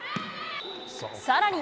さらに。